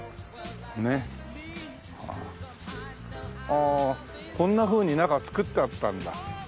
ああこんなふうに中造ってあったんだ。